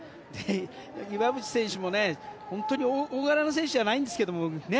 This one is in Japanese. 岩渕選手も本当に大柄な選手じゃないんですけどね。